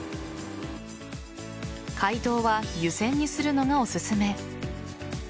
解凍は湯煎にするのがおすすめ。